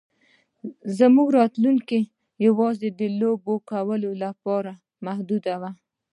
زموږ راتلونکی یوازې د لوبو کولو پورې محدود و